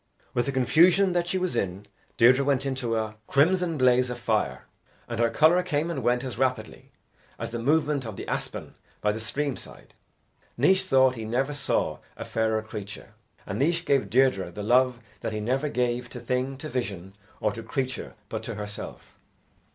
With the confusion that she was in, Deirdre went into a crimson blaze of fire, and her colour came and went as rapidly as the movement of the aspen by the stream side. Naois thought he never saw a fairer creature, and Naois gave Deirdre the love that he never gave to thing, to vision, or to creature but to herself.